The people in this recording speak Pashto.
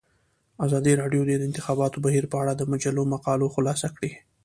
ازادي راډیو د د انتخاباتو بهیر په اړه د مجلو مقالو خلاصه کړې.